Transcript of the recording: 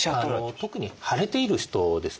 特に腫れている人ですね。